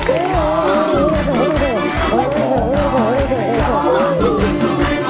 เพลงที่สองนะครับ